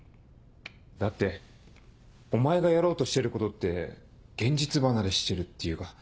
だってお前がやろうとしてることって現実離れしてるっていうか